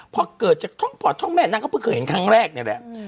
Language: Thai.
เพราะเกิดจากท่องปอดท่องแม่นั่งเพิ่งเกิดเห็นครั้งแรกเนี่ยแหละ